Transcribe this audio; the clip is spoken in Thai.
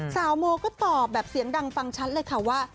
โมก็ตอบแบบเสียงดังฟังชัดเลยค่ะว่า